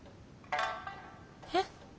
えっ？